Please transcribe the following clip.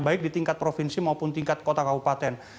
baik di tingkat provinsi maupun tingkat kota kau paten